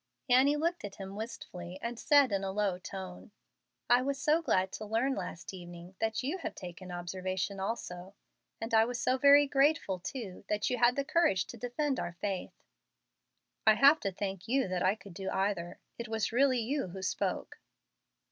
Annie looked at him wistfully, and said, in a low tone, "I was so glad to learn, last evening, that you had taken an observation also, and I was so very grateful, too, that you had the courage to defend our faith." "I have to thank you that I could do either. It was really you who spoke."